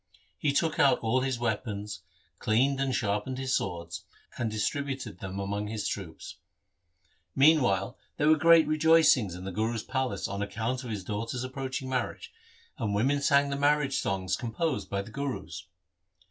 He took out all his weapons, cleaned and sharpened his swords, and distributed them among his troops. Meantime, there were great rejoicings in the Guru's palace on account of his daughter's approaching marriage, and women sang the marriage songs composed by the Gurus.